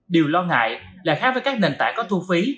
điều lo ngại là khác với các nền tảng có thu phí